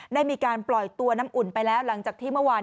ได้มีการปล่อยตัวน้ำอุ่นไปแล้ว